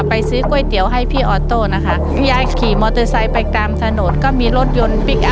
เมื่อก่อนยายขายไข่ทอดปลาทอดนี่ค่ะ